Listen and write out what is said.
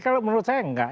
kalau menurut saya enggak